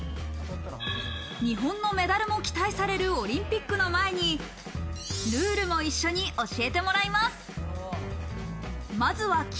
日本のメダルも期待されるオリンピックの前にルールも一緒に教えてもらいます。